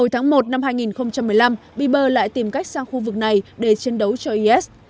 hồi tháng một năm hai nghìn một mươi năm biber lại tìm cách sang khu vực này để chiến đấu cho is